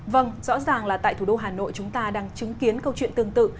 vâng rõ ràng là tại thủ đô hà nội chúng ta đang chứng kiến câu chuyện tương tự